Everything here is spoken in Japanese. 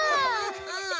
うん。